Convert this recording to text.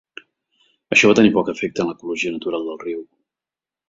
Això va tenir poc efecte en l'ecologia natural del riu.